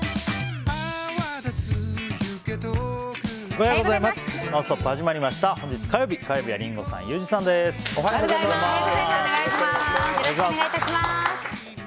おはようございます。